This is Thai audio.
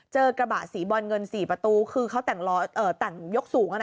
เจอกระบะสีบอลเงิน๔ประตูคือเขาแต่งยกสูง